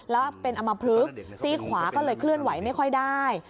แล้วเป็นอมพลึกซี่ขวาก็เลยเคลื่อนไหวไม่ค่อยได้